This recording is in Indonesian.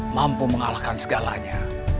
mampu mengalahkan segalanya